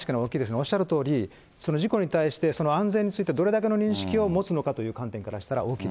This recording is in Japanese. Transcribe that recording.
おっしゃるとおり、事故に対してその安全についてどれだけの認識を持つのかという観